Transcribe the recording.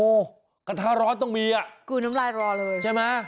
โหกระทะร้อนต้องมีอ่ะกูน้ำลายร้อนเลยใช่มั้ย